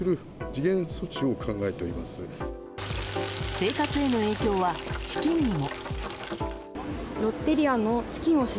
生活への影響はチキンにも。